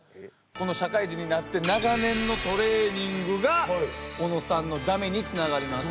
この社会人になって長年のトレーニングが小野さんのだめにつながります。